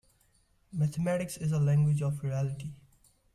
Mathematics is the language of reality.